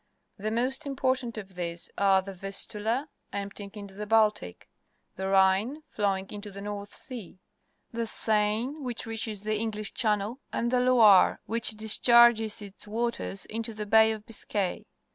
The most important of these are the Vistula, emptying into the Baltic; the Rhine, flow ing into the North Sea; the Seine, which reaches the English Channel ; and the Loire,. which discharges its waters into the Bay of Biscay.